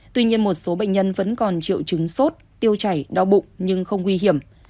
tuy nhiên một số bệnh nhân vẫn còn triệu chứng sốt tiêu chảy đau bụng nhưng không nguy hiểm